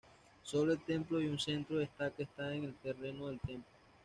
Solo el templo y un centro de estaca están en el terreno del templo.